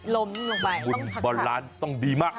ล้มลงไปต้องพักขับบรรลันต์ต้องดีมาก